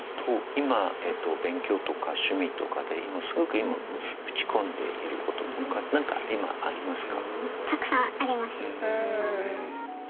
今勉強とか趣味とかですごく今打ち込んでいることとか何か今ありますか？